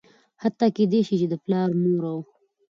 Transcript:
حتا کيدى شي چې د پلار ،مور او